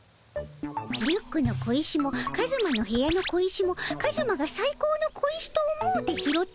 リュックの小石もカズマの部屋の小石もカズマがさい高の小石と思うて拾った小石であろ？